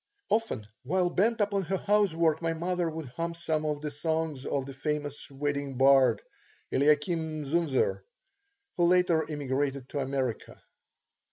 Often, while bent upon her housework, my mother would hum some of the songs of the famous wedding bard, Eliakim Zunzer, who later emigrated to America.